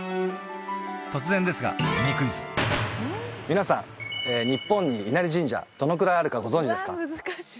突然ですがミニクイズ皆さん日本に稲荷神社どのくらいあるかご存じですか？